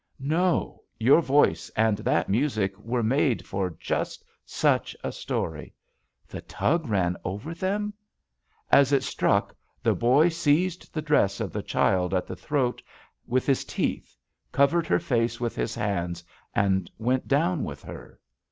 "No, your voice and that music were made for just such a story. The tug ran over them —" "As it struck, the boy seized the dress of the child at the throat, with his teeth, covered her face with his hands, and went down with her.